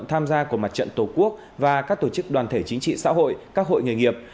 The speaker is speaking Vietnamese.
tham gia của mặt trận tổ quốc và các tổ chức đoàn thể chính trị xã hội các hội nghề nghiệp